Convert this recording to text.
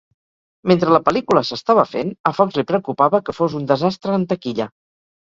Mentre la pel·lícula s'estava fent, a Fox li preocupava que fos un desastre en taquilla.